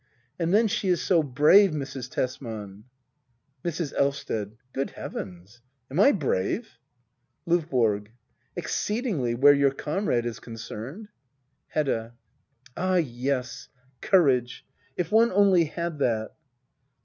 And then she is so brave, Mrs. Tesman ! Mrs. El VST ED. Good heavens — am I brave ? LdVBORG. Exceedingly — where your comrade is concerned. Hedda. Ah yes — courage ! If one only had that